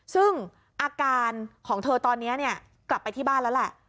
ซึ่งอาการของเธอตอนนี้กลับไปที่บ้านแล้วแหละ